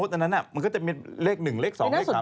แต่ติ๊กเกอร์ที่โด่ก็ได้นะ